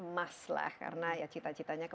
mas lah karena cita citanya